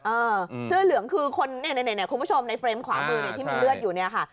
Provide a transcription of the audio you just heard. เออเสื้อเหลืองคือคนเนี่ยคุณผู้ชมในเฟรมขวามือที่มีเลือดอยู่เนี่ยค่ะ